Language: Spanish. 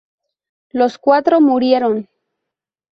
Los cuatro murieron.